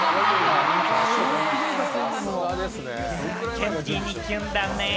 ケンティーに、キュンだね。